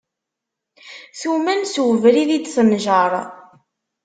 Tumen s ubrid i d-tenjer.